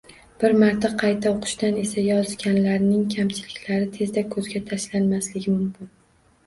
Bir marta qayta o’qishdan esa yozilganlarning kamchiliklari tezda ko’zga tashlanmasligi mumkin